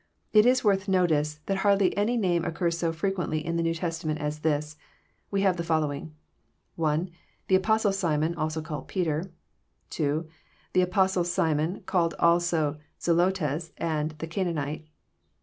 It is worth notice, that hardly any name occurs so fre quently in the New Testament as this. We have the follow ing:— 1. The Apostle Simon, called also Peter. 2. The Apostle Simon, called also Zelotes, and the Canaanite.